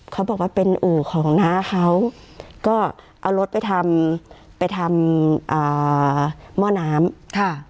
เขาบอกว่าเป็นอู่ของน้าเขาก็เอารถไปทำหม้อน้ำ